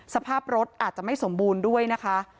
สภาพรถอาจจะไม่สมบูรณ์ด้วยนะคะ